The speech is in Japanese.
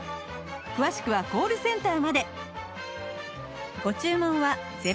詳しくはコールセンターまで